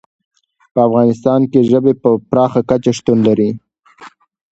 په افغانستان کې ژبې په پراخه کچه شتون لري.